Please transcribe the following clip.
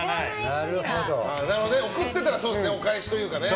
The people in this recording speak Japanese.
送ってたらお返しというかね。